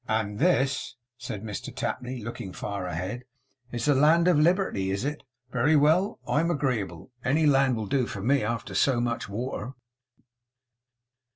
'And this,' said Mr Tapley, looking far ahead, 'is the Land of Liberty, is it? Very well. I'm agreeable. Any land will do for me, after so much water!